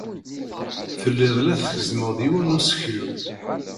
Telliḍ la tgezzmeḍ yiwen n useklu.